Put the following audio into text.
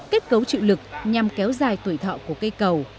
kết cấu chịu lực nhằm kéo dài tuổi thọ của cây cầu